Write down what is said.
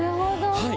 はい。